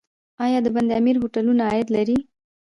آیا د بند امیر هوټلونه عاید لري؟